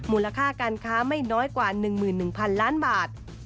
มูลค่าการค้าไม่น้อยกว่า๑๑๐๐๐ล้านบาท